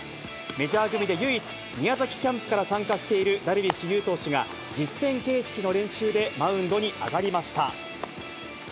メジャー組で唯一宮崎キャンプから参加しているダルビッシュ有投手が、実戦形式の練習でマウンドに上がりました。